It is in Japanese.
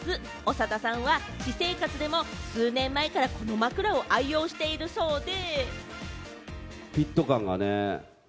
長田さんは私生活でも数年前から、この枕を愛用しているそうで。